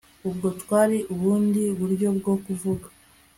ubwo bwari ubundi buryo bwo kuvuga